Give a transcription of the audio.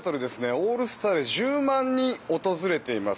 オールスターで１０万人訪れています。